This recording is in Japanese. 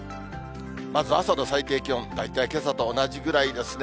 まず朝の最低気温、大体けさと同じぐらいですね。